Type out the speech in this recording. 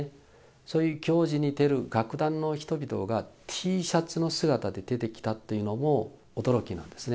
そういう行事に出る楽団の人々がＴシャツの姿で出てきたというのも驚きなんですね。